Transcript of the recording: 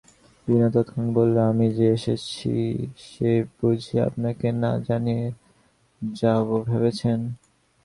বিনয় তৎক্ষণাৎ বলিল, আমি যে এসেছি সে বুঝি আপনাকে না জানিয়ে যাব ভেবেছেন?